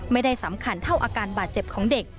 ไม่ได้สำคัญเท่าอาการบาดเจ็บของเด็ก